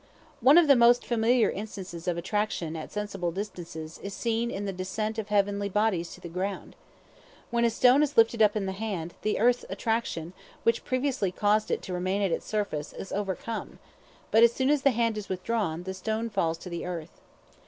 One of the most familiar instances of attraction at sensible distances is seen in the descent of heavy bodies to the ground. When a stone is lifted up in the hand, the earth's attraction, which previously caused it to remain at its surface, is overcome; but, as soon as the hand is withdrawn, the stone falls to the earth.